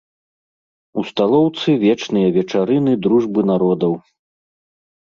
У сталоўцы вечныя вечарыны дружбы народаў.